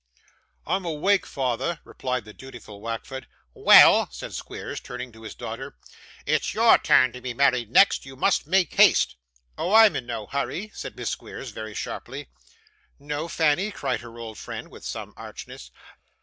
'I'm awake, father,' replied the dutiful Wackford. 'Well,' said Squeers, turning to his daughter, 'it's your turn to be married next. You must make haste.' 'Oh, I'm in no hurry,' said Miss Squeers, very sharply. 'No, Fanny?' cried her old friend with some archness.